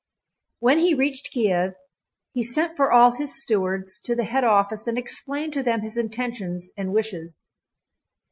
When he reached Kiev he sent for all his stewards to the head office and explained to them his intentions and wishes.